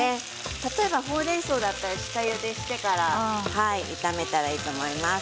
例えばほうれんそうだったら下ゆでしてから炒めたらいいと思います。